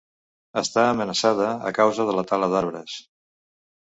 Està amenaçada a causa de la tala d'arbres.